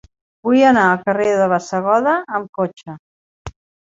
Vull anar al carrer de Bassegoda amb cotxe.